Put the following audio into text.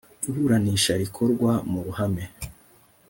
iburanisha rikorwa mu ruhame